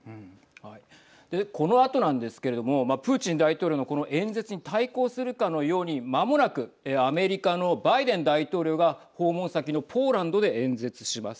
このあとなんですけれどもプーチン大統領のこの演説に対抗するかのようにまもなくアメリカのバイデン大統領が訪問先のポーランドで演説します。